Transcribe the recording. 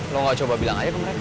lu gak coba bilang aja ke mereka